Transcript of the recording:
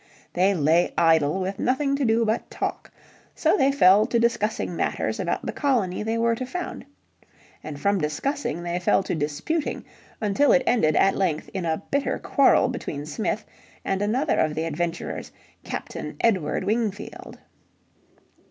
They lay idle with nothing to do but talk. So they fell to discussing matters about the colony they were to found. And from discussing they fell to disputing until it ended at length in a bitter quarrel between Smith and another of the adventurers, Captain Edward Wingfield.